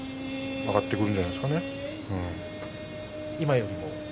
上がってくるんじゃないですかね。